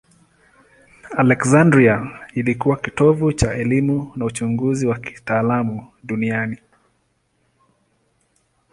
Aleksandria ilikuwa kitovu cha elimu na uchunguzi wa kitaalamu duniani.